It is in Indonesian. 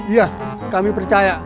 iya kami percaya